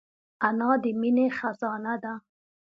انا د مینې خزانه ده